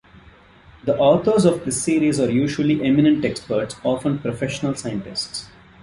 The authors of this series are usually eminent experts, often professional scientists.